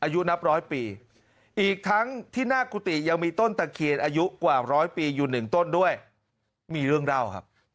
ยังมีต้นตักเขียนอายุกว่าร้อยปีอยู่หนึ่งต้นด้วยมีเรื่องเล่าครับ